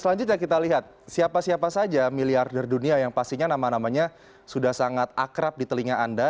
selanjutnya kita lihat siapa siapa saja miliarder dunia yang pastinya nama namanya sudah sangat akrab di telinga anda